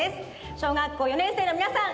小学校４年生のみなさん